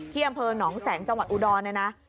อำเภอหนองแสงจังหวัดอุดรเนี่ยนะ